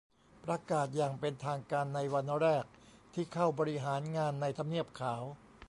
ประกาศอย่างเป็นทางการในวันแรกที่เข้าบริหารงานในทำเนียบขาว